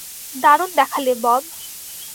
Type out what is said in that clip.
দারুণ দেখালে, বব!